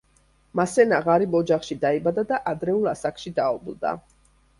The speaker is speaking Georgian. მასენა ღარიბ ოჯახში დაიბადა და ადრეულ ასაკში დაობლდა.